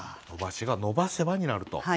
「伸ばし」が「伸ばせば」になると。